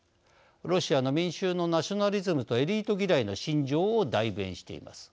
ロシアの民衆のナショナリズムとエリート嫌いの心情を代弁しています。